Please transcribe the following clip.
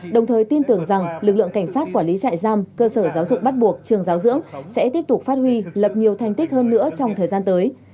đồng thời tin tưởng rằng lực lượng cảnh sát quản lý trại giam cơ sở giáo dục bắt buộc trường giáo dưỡng sẽ tiếp tục phát huy lập nhiều thành tích hơn nữa trong thời gian tới